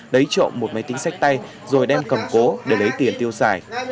lấy trộm một máy tính sách tay rồi đem cầm cố để lấy tiền tiêu xài